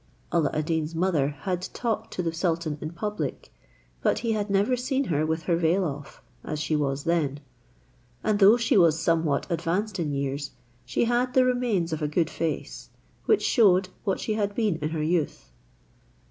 Alla ad Deen's mother had talked to the sultan in public, but he had never seen her with her veil off, as she was then; and though she was somewhat advanced in years, she had the remains of a good face, which showed what she had been in her youth.